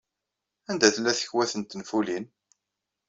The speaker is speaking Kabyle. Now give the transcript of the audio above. Anda tella tekwat n tenfulin?